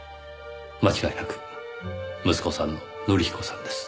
間違いなく息子さんの則彦さんです。